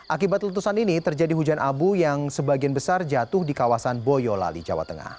akibat letusan ini terjadi hujan abu yang sebagian besar jatuh di kawasan boyolali jawa tengah